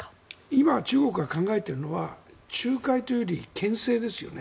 今、中国が考えているのは仲介というよりけん制ですよね。